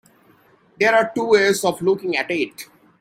There are two ways of looking at it.